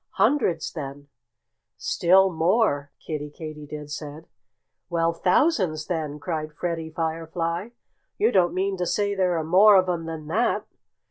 "Hundreds, then!" "Still more!" Kiddie Katydid said. "Well, thousands, then!" cried Freddie Firefly. "You don't mean to say there are more of 'em than that?"